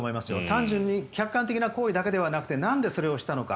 単純に客観的な行為だけではなくてなんでそれをしたのか。